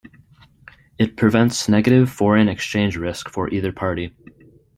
It prevents negative foreign exchange risk for either party.